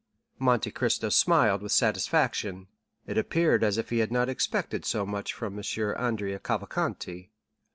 Monte Cristo smiled with satisfaction; it appeared as if he had not expected so much from M. Andrea Cavalcanti.